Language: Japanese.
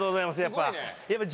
やっぱ。